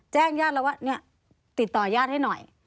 แจ้งญาติเราว่าติดต่อยาติให้หน่อย